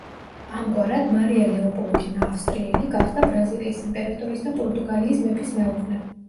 ამგვარად მარია ლეოპოლდინა ავსტრიელი გახდა ბრაზილიის იმპერატორის და პორტუგალიის მეფის მეუღლე.